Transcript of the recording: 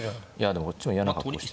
でもこっちも嫌な格好して。